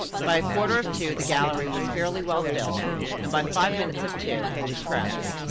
By a quarter of two the gallery was fairly well filled and by five minutes of two it was crowded.